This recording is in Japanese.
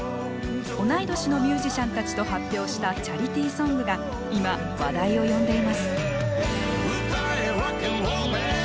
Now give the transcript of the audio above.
同い年のミュージシャンたちと発表したチャリティーソングが今話題を呼んでいます。